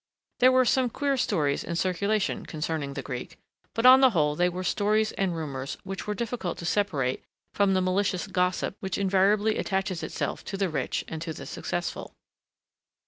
There were some queer stories in circulation concerning the Greek, but on the whole they were stories and rumours which were difficult to separate from the malicious gossip which invariably attaches itself to the rich and to the successful.